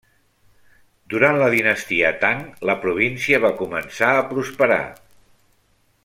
Durant la dinastia Tang la província va començar a prosperar.